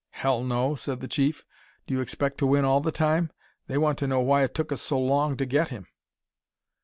"Hell, no!" said the Chief. "Do you expect to win all the time? They want to know why it took us so long to get him.